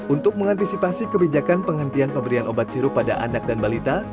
untuk mengantisipasi kebijakan penghentian pemberian obat sirup pada anak dan balita